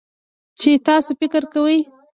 چې تاسو فکر کوئ